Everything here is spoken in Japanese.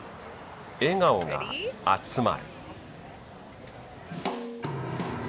笑顔が集まる。